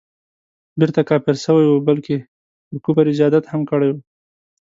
بیرته کافر سوی وو بلکه پر کفر یې زیادت هم کړی وو.